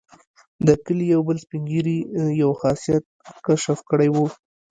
د کلي یو بل سپین ږیري یو خاصیت کشف کړی وو.